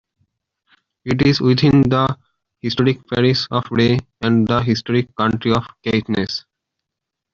It is within the historic Parish of Reay and the historic county of Caithness.